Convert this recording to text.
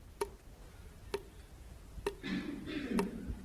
Hlasování proběhne na konci odpolední rozpravy.